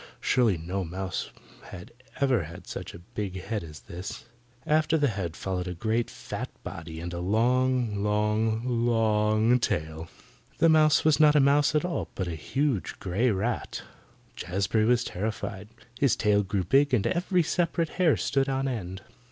Surely no mouse had ever had such a big head as that. After the head followed a great fat body, and a long, long, LONG tail. The mouse was not a mouse at all, but a huge grey rat. Jazbury was terrified. His tail grew big and every separate hair stood on end.